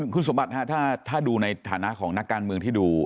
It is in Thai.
คุณสมบัติถ้าดูในฐานะของนักการเมืองที่ดู